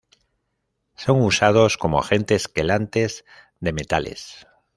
Son usados como agentes quelantes de metales.